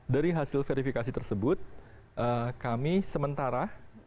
dari hasil verifikasi tersebut kami sementara